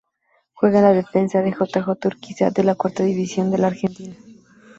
Juega de defensa en J. J. Urquiza de la Cuarta División de Argentina.